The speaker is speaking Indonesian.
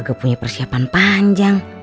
gak punya persiapan panjang